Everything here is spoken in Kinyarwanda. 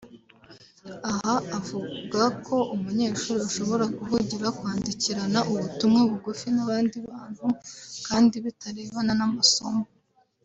Aha avuga ko umunyeshuri ashobora guhugira kwandikirana ubutumwa bugufi n’abandi bantu kandi bitarebana n’amasomo